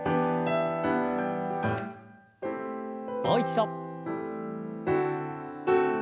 もう一度。